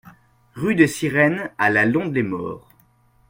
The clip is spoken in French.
Rue des Sirenes à La Londe-les-Maures